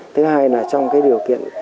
thứ hai là trong cái điều kiện